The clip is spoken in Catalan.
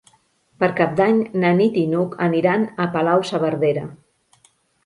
Per Cap d'Any na Nit i n'Hug aniran a Palau-saverdera.